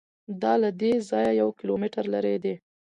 دا له دې ځایه یو کیلومتر لرې دی.